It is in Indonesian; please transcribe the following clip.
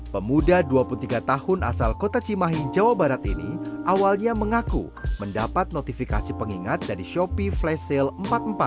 pemuda dua puluh tiga tahun asal kota cimahi jawa barat ini awalnya mengaku mendapat notifikasi pengingat dari shopee flash sale empat puluh empat